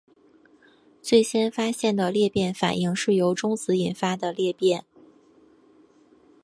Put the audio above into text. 最先发现的裂变反应是由中子引发的裂变。